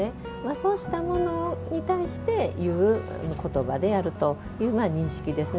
そうしたものに対して言う言葉であるという認識ですね。